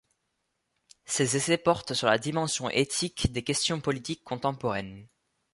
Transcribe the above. Ses essais portent sur la dimension éthique des questions politiques contemporaines.